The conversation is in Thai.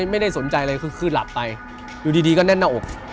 ไม่ได้สนใจอะไรคือหลับไปอยู่ดีก็แน่นหน้าอก